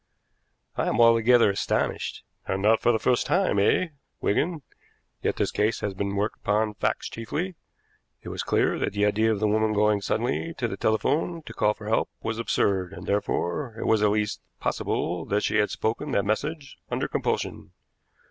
"I am altogether astonished." "And not for the first time, eh, Wigan? Yet this case has been worked upon facts chiefly. It was clear that the idea of the woman going suddenly to the telephone to call for help was absurd, and, therefore, it was at least possible that she had spoken that message under compulsion.